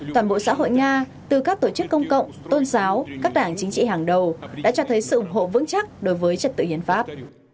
toàn bộ xã hội nga từ các tổ chức công cộng tôn giáo các đảng chính trị hàng đầu đã cho thấy sự ủng hộ vững chắc đối với trật tự hiến pháp